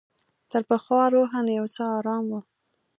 تر پخوا روحاً یو څه آرام وم.